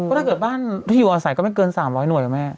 ถ้าเกิดบ้านที่อยู่อาศัยก็ไม่เกิน๓๐๐หน่วยเหรอแม่